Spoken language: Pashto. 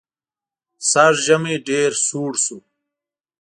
سږ ژمی ډېر سوړ شو.